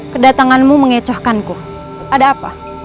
kedatanganmu mengecohkanku ada apa